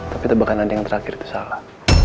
tapi tebakan anda yang terakhir itu salah